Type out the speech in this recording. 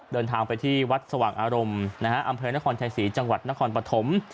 เดินทางไปที่วัดสว่างอารมณ์อำเภอนครชายศรีจังหวัดนครปฐม